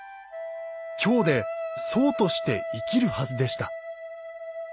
京で僧として生きるはずでした。